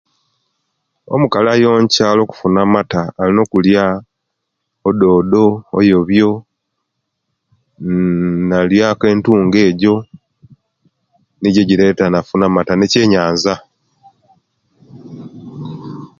Omukali ayonkya; olwokufuna amata; alina okulya ododo, obobyo, uuh nalya ku entungo ejo, nijo ejireta nafuna amata ne'kyenyanza.